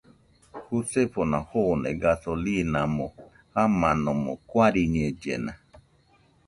Jusefona joone gasolimo jamanomo guariñellena